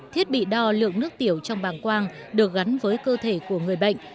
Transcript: thiết bị đo lượng nước tiểu trong bàng quang được gắn với cơ thể của người bệnh